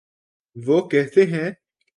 وہ کہتے ہیں۔